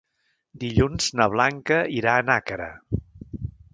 Dilluns na Blanca irà a Nàquera.